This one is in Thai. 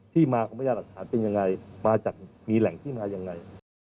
ที่มาของพยานหลักฐานเป็นยังไงมาจากมีแหล่งที่มายังไง